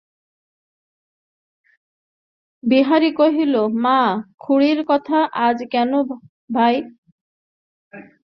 বিহারী কহিল, মা-খুড়ির কথা আজ কেন ভাই।